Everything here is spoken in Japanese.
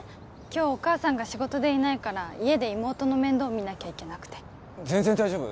今日お母さんが仕事でいないから家で妹の面倒見なきゃいけなくて全然大丈夫